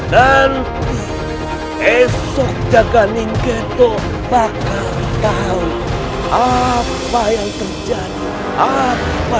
nah kita jangan kepada raya nyiwanya berharap lotsa